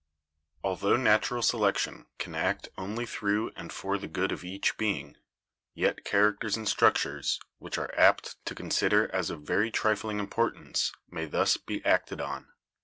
"Altho natural selection can act only through and for the good of each being, yet characters and structures, which we are apt to consider as of very trifling impor tance, may thus be acted on.